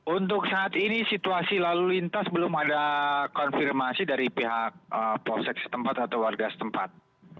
untuk saat ini situasi lalu lintas belum ada konfirmasi dari pihak polsek setempat atau warga setempat